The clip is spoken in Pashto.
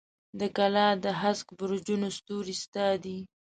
د کلا د هسک برجونو ستوري ستا دي